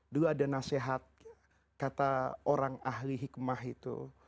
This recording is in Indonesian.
dulu ada nasihat kata orang ahli hikmah itu